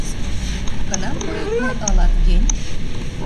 Кынам поэтнӓ ылат гӹнь?